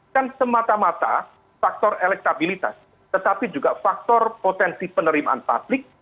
kan semata mata faktor elektabilitas tetapi juga faktor potensi penerimaan publik